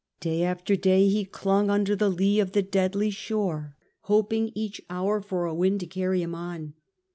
Day after day he clung under the lee of the deadly shore hoping each hour for a wind to carry him on.